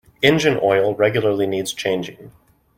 Engine oil regularly needs changing.